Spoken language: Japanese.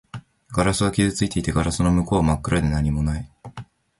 ガラスは傷ついていて、ガラスの向こうは真っ暗で何もない